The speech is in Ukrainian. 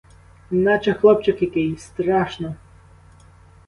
Неначе хлопчик який — страшно!